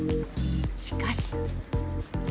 しかし。